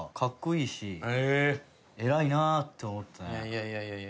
いやいやいやいや。